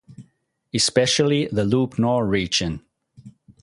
Especially the Lop-Nor Region".